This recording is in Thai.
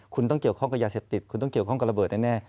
คุณต้องเกี่ยวข้องกับยาเสพติดคุณต้องเกี่ยวข้องกับระเบิดแน่